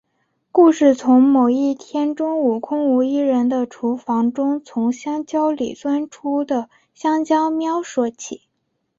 故事从某一天中午空无一人的厨房中从香蕉里钻出的香蕉喵说起。